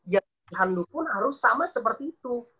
ya handu pun harus sama seperti itu